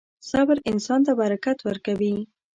• صبر انسان ته برکت ورکوي.